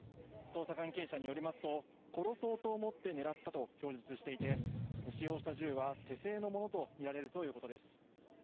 捜査関係者によりますと、殺そうと思って狙ったと、供述していて、使用した銃は、手製のものと見られるということです。